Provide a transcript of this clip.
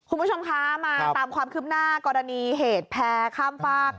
คุณผู้ชมคะมาตามความคืบหน้ากรณีเหตุแพร่ข้ามฝาก